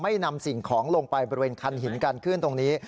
นำสิ่งของลงไปบริเวณคันหินการขึ้นตรงนี้